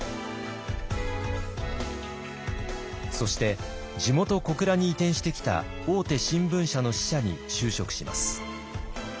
そして地元・小倉に移転してきた大手新聞社の支社に就職します。